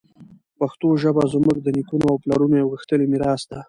پښتو ژبه زموږ د نیکونو او پلارونو یوه غښتلې میراث ده.